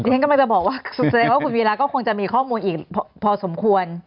อย่างนั้นก็ไม่ได้บอกว่าสังเกตุว่าคุณวีราก็คงจะมีข้อมูลอีกพอสมควร